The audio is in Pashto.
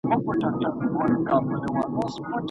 يعني که ښځه شرعي دليل ولري، نو د طلاق غوښتنه کولای سي.